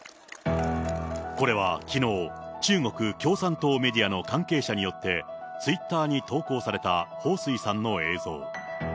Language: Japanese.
これはきのう、中国共産党メディアの関係者によって、ツイッターに投稿された彭帥さんの映像。